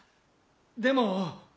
でも。